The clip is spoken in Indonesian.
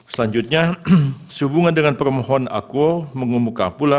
selanjutnya sehubungan dengan permohon akuo mengumumkan pula